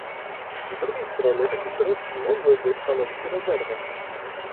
Z drugiej strony, takie środki mogłyby stanowić rezerwę